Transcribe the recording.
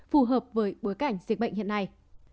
phù hợp với bối cảnh dịch bệnh hiện nay